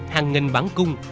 hàng nghìn bắn cung